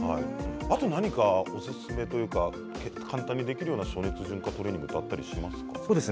あとおすすめというか簡単にできる暑熱順化トレーニング、あったりしますか。